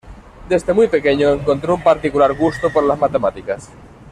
Desde muy pequeño encontró un particular gusto por las matemáticas.